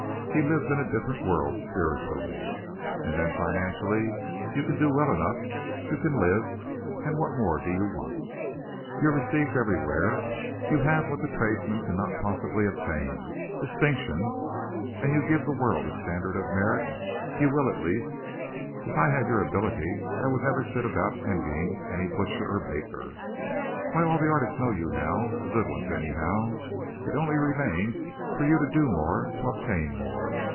He lives in a different world spiritually. And then financially you can do well enough you can live, and what more do you want? You're received everywhere. You have what the tradesman cannot possibly attain distinction; and you give the world a standard of merit you will, at least. If I had your ability I would never sit about envying any butcher or baker. Why, all the artists know you now the good ones, anyhow. It only remains for you to do more, to obtain more.